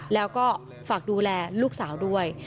แล้วก็ฝากดูแลลูกสาวด้วย